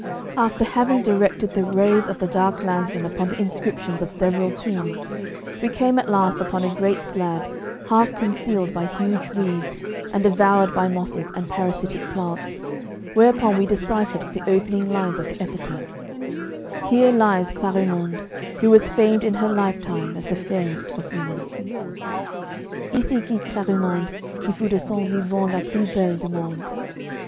After having directed the rays of the dark lantern upon the inscriptions of several tombs, we came at last upon a great slab, half concealed by huge weeds and devoured by mosses and parasitic plants, whereupon we deciphered the opening lines of the epitaph: Here lies Clarimonde Who was famed in her life time As the fairest of women.* * Ici gît Clarimonde Qui fut de son vivant La plus belle du monde.